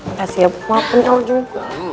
makasih ya bu maafin el juga